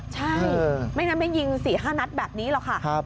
ใช่ไม่งั้นไม่ยิง๔๕นัดแบบนี้หรอกค่ะ